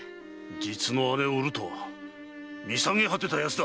実の姉を売るとは見下げはてた奴だ！